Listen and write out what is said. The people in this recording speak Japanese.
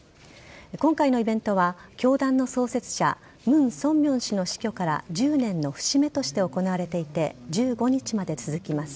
今回のイベントは教団の創設者ムン・ソンミョン氏の死去から１０年の節目として行われていて１５日まで続きます。